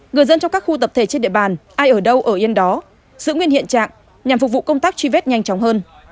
người dân trong các khu tập thể trên địa bàn ai ở đâu ở yên đó giữ nguyên hiện trạng nhằm phục vụ công tác truy vết nhanh chóng hơn